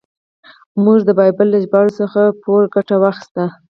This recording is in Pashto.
دوی د بایبل له ژباړو څخه پوره ګټه واخیسته.